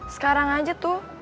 sekarang aja tuh